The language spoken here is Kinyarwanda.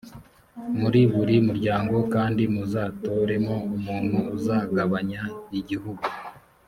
muri buri muryango kandi muzatoremo umuntu uzagabanya igihugu.